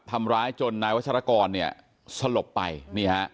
ทำร้ายจนนายวัชรกรเนี่ยสลบไปนี่ฮะ